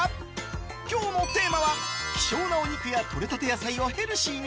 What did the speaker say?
今日のテーマは希少なお肉やとれたて野菜をヘルシーに。